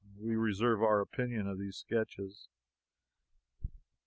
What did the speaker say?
We reserve our opinion of these sketches.